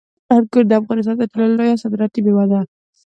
انګور د افغانستان تر ټولو لویه صادراتي میوه ده.